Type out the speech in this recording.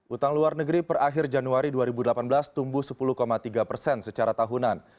utang luar negeri per akhir januari dua ribu delapan belas tumbuh sepuluh tiga persen secara tahunan